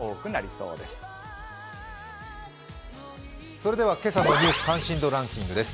それでは今朝の「ニュース関心度ランキング」です。